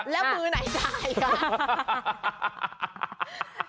แล้วมือไหนจ่ายคะ